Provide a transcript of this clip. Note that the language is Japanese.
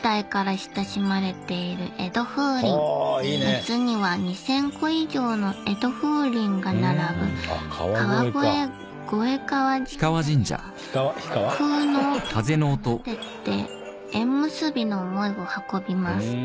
夏には２０００個以上の江戸風鈴が並ぶ川越ごえかわ神社ではふうの音を奏でて縁むすびの想いを運びます。